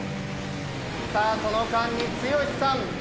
さあその間に剛さん。